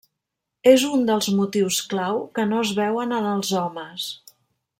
És un dels motius clau que no es veuen en els homes.